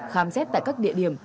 khám xét tại các địa điểm